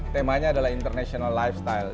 temanya adalah international lifestyle